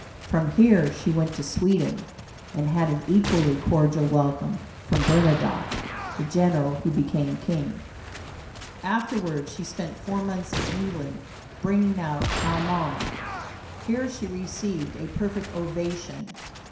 From here she went to Sweden, and had an equally cordial welcome from Bernadotte, the general who became king. Afterward she spent four months in England, bringing out Allemagne. Here she received a perfect ovation.